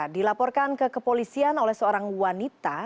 dilaporkan kekepolisian oleh seorang wanita